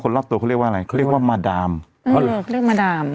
คนเรียกมาดามนะ